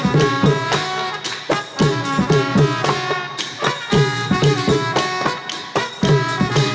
โดยวิทยาลัยโดยวิทยาลัย